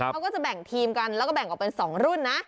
เขาก็จะแบ่งทีมกันแล้วก็แบ่งออกเป็น๒รุ่นนะ